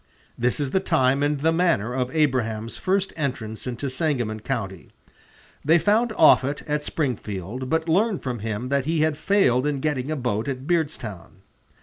This is the time and the manner of Abraham's first entrance into Sangamon County. They found Offutt at Springfield, but learned from him that he had failed in getting a boat at Beardstown.